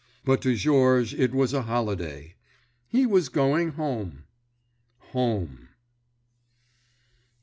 But to Georges it was a holiday. He was going home! Home.